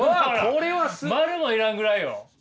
円も要らんぐらいよ。